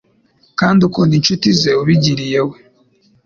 kandi ukunda inshuti ze ubigiriye we,